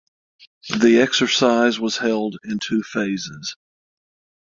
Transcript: The exercise was held in two phases.